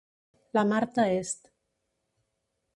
La Marta est